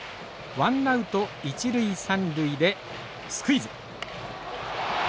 ワンナウト一塁三塁でスクイズ。